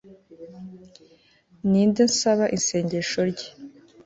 Ni nde nsaba isengesho rye